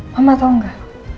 mama tau gak